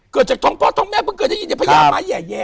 เกิดจากท้องพ่อท้องแม่เพิ่งเคยได้ยินแต่พญาไม้แห่แย่